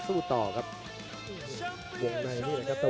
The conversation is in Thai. กันต่อแพทย์จินดอร์